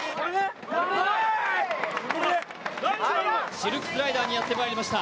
シルクスライダーにやってまいりました。